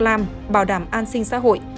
làm bảo đảm an sinh xã hội